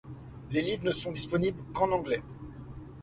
Les livres ne sont disponibles qu'en anglais.